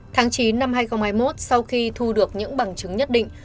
tháng chín năm hai nghìn hai mươi một sau khi thu được những bằng chứng nhất định